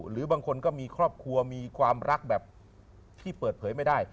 หรือบางคนก็มีครอบครัวมีความรักแบบที่เปิดเผยไม่ได้